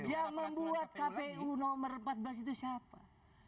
yang membuat kpu nomor empat belas itu siapa